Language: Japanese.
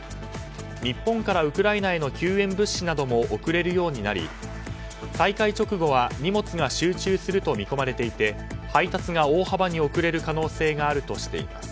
日本からウクライナへの救援物資なども送れるようになり再開直後は荷物が集中すると見込まれていて配達が大幅に遅れる可能性があるとしています。